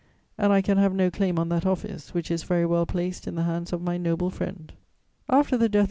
And I can have no claim on that office, which is very well placed in the hands of my noble friend." After the death of M.